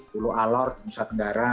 pulau alor di nusa tenggara